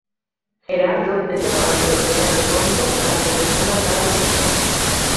Gerardo es llamado por S. Alfonso para que responda a tal acusación.